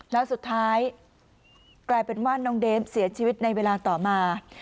แล้วสุดท้ายกลายเป็นว่าน้องเดมเสียชีวิตในเวลาต่อมา